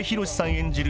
演じる